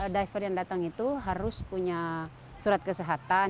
diver yang datang itu harus punya surat kesehatan